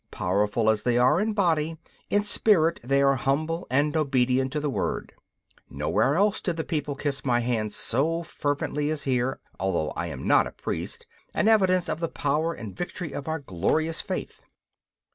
Powerful as they are in body, in spirit they are humble and obedient to the Word. Nowhere else did the people kiss my hand so fervently as here, although I am not a priest an evidence of the power and victory of our glorious faith.